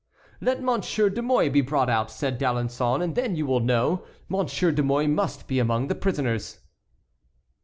"Let Monsieur de Mouy be brought out," said D'Alençon, "and then you will know. Monsieur de Mouy must be among the prisoners."